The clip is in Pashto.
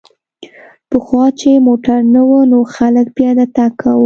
پخوا چې موټر نه و نو خلک پیاده تګ کاوه